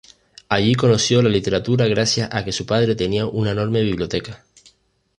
Allí conoció la literatura gracias a que su padre tenía una enorme biblioteca.